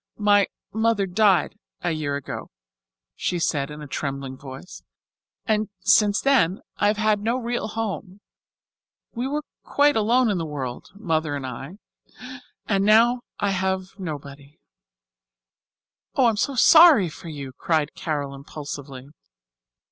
"My mother died a year ago," she said in a trembling voice, "and since then I have had no real home. We were quite alone in the world, Mother and I, and now I have nobody." "Oh, I'm so sorry for you," cried Carol impulsively.